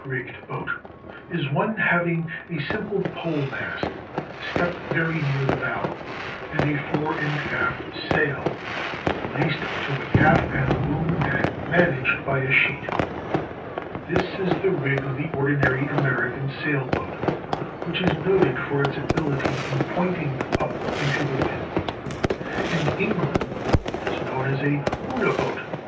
_, cat rigged boat) is one having a simple pole mast stepped very near the bow, and a fore and aft sail laced to a gaff and boom and managed by a sheet. This is the rig of the ordinary American sail boat, which is noted for its ability in pointing up into the wind. In England it is known as a una boat.